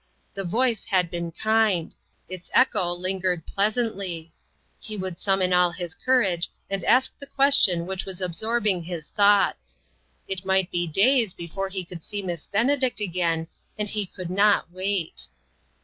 The voice had been kind ; its echo lingered pleasantly ; he would summon all his cour age and ask the question which was ab sorbing his thoughts. It might be days be fore he could see Miss Benedict again, and he could not wait.